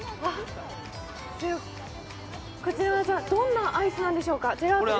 こちらはどんなアイスなんでしょうか、ジェラートですね。